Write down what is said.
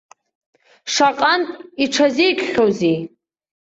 Шаҟантә иҽазикхьоузеи.